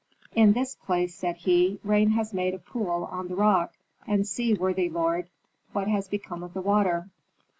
"In this place," said he, "rain has made a pool on the rock. And see, worthy lord, what has become of the water."